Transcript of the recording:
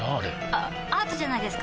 あアートじゃないですか？